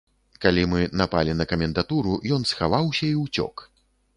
Калі мы напалі на камендатуру, ён схаваўся і ўцёк.